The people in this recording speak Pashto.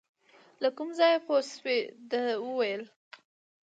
له کوم ځایه پوه شوې، ده ویل .